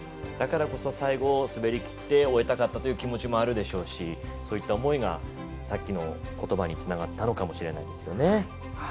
だからこそ最後滑りきって終えたかったという気持ちもあるでしょうしそういった思いがさっきのことばにつながったのかもしれないですよね。